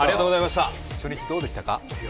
初日どうでしたか。